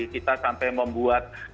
kita sampai membuat